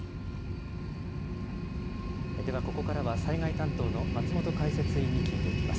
ではここからは災害担当の松本解説委員に聞いていきます。